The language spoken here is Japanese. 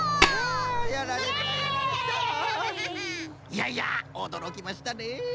いやいやおどろきましたねえ！